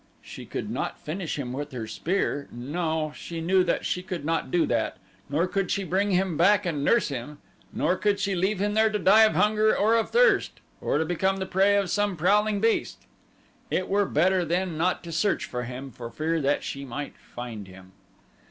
She could not finish him with her spear no, she knew that she could not do that, nor could she bring him back and nurse him, nor could she leave him there to die of hunger or of thirst, or to become the prey of some prowling beast. It were better then not to search for him for fear that she might find him.